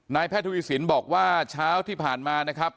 แพทย์ทวีสินบอกว่าเช้าที่ผ่านมานะครับ